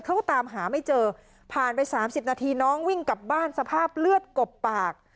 เขาก็ตามหาไม่เจอผ่านไป๓๐นาทีน้องวิ่งกลับบ้านสภาพเลือดกบปาก